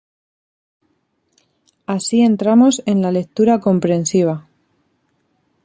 Así entramos en la lectura comprensiva.